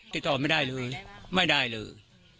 ติดต่อไม่ได้เลยไม่ได้เลย